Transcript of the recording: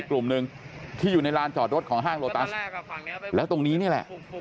กลุ่มหนึ่งที่อยู่ในลานจอดรถของห้างโลตัสแล้วตรงนี้นี่แหละ